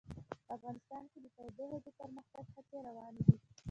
افغانستان کې د تودوخه د پرمختګ هڅې روانې دي.